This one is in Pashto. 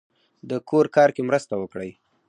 د کور کار کې مرسته وکړئ